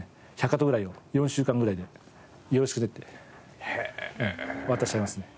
１００カットぐらいを４週間ぐらいでよろしくねって渡しちゃいますね。